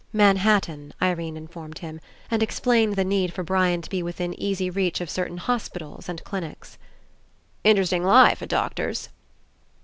Manhattan, Irene informed him, and explained the need for Brian to be within easy reach of certain hospitals and clinics. "Interesting life, a doctor's."